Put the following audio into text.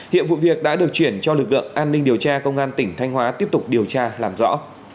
hiện vụ việc đã được chuyển cho lực lượng an ninh điều tra công an tỉnh thanh hóa tiếp tục điều tra làm rõ